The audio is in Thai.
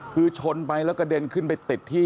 คือชนไปแล้วกระเด็นขึ้นไปติดที่